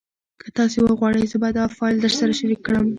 که تاسي وغواړئ زه به دا فایل درسره شریک کړم.